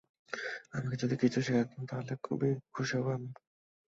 আমাকে যদি কিছু শেখাতে চান, তাহলে খুবই খুশি হবো আমি।